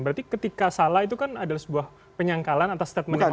berarti ketika salah itu kan adalah sebuah penyangkalan atas statement itu